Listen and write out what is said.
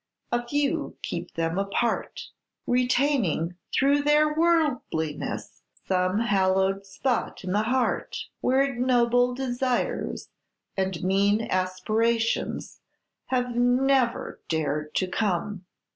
A few keep them apart, retaining, through their worldliness, some hallowed spot in the heart, where ignoble desires and mean aspirations have never dared to come.